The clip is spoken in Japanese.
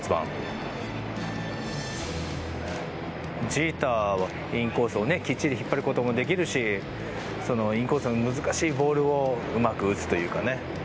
ジーターはインコースをきっちり引っ張ることもできるしインコースの難しいボールをうまく打つというかね。